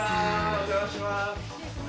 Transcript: お邪魔します。